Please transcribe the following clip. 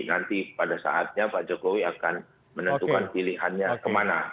nanti pada saatnya pak jokowi akan menentukan pilihannya kemana